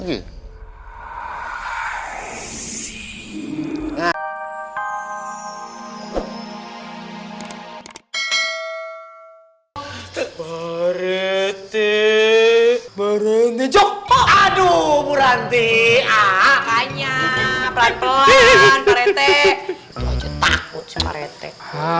berhenti berhenti jok aduh berhenti ah hanya